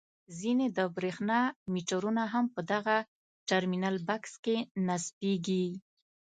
ځینې د برېښنا میټرونه هم په دغه ټرمینل بکس کې نصبیږي.